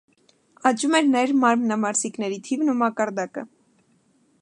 Աճում էր նաև մարմնամարզիկների թիվն ու մակարդակը։